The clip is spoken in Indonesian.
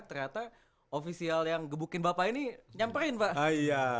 ternyata ofisial yang gebukin bapak ini nyamperin pak